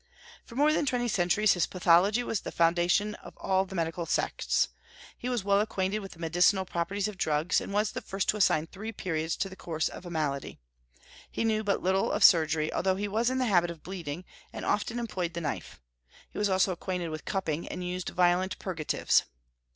For more than twenty centuries his pathology was the foundation of all the medical sects. He was well acquainted with the medicinal properties of drugs, and was the first to assign three periods to the course of a malady. He knew but little of surgery, although he was in the habit of bleeding, and often employed the knife; he was also acquainted with cupping, and used violent purgatives.